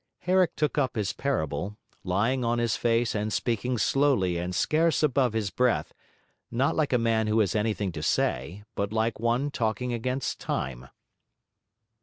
Herrick took up his parable, lying on his face and speaking slowly and scarce above his breath, not like a man who has anything to say, but like one talking against time.